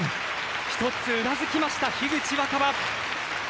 一つうなずきました樋口新葉。